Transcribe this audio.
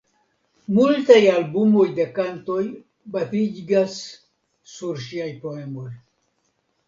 Multaj albumoj de kantoj baziĝas sur ŝiaj poemoj.